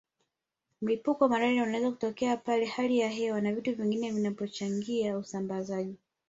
Mlipuko wa malaria unaweza kutokea pale hali ya hewa na vitu vingine vitakapochangia usambaaji